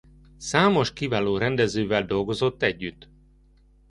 Számos kiváló rendezővel dolgozott együtt.